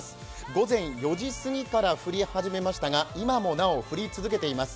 午前４時すぎから降り始めましたが、今もなお降り続いています。